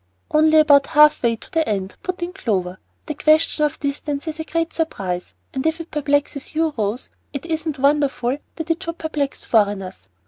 "Only about half way to the end," put in Clover. "That question of distance is a great surprise; and if it perplexes you, Rose, it isn't wonderful that it should perplex foreigners.